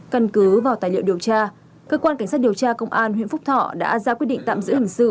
căn cứ vào tài liệu điều tra cơ quan cảnh sát điều tra công an huyện phúc thọ đã ra quyết định tạm giữ hình sự